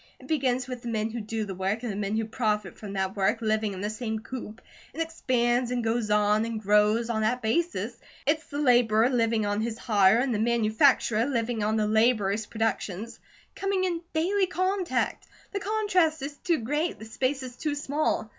It begins with the men who do the work, and the men who profit from that work, living in the same coop. It expands, and goes on, and grows, on that basis. It's the laborer, living on his hire, and the manufacturer living on the laborer's productions, coming in daily contact. The contrast is too great, the space is too small.